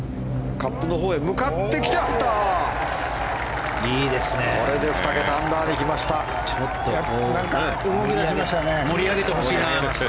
カップのほうへ向かってきて、入った！